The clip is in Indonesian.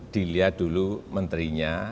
dilihat dulu menterinya